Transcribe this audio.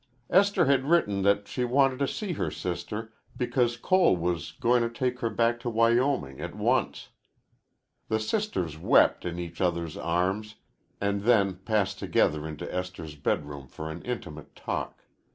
Esther had written that she wanted to see her sister because Cole was going to take her back to Wyoming at once. The sisters wept in each other's arms and then passed together into Esther's bedroom for an intimate talk.